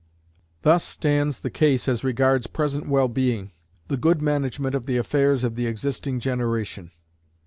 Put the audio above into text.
Thus stands the case as regards present well being the good management of the affairs of the existing generation.